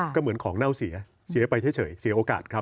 ก็เหมือนของเน่าเสียเสียไปเฉยเสียโอกาสครับ